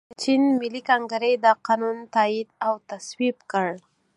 د چین ملي کنګرې دا قانون تائید او تصویب کړ.